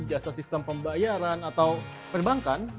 jasa sistem pembayaran atau perbankan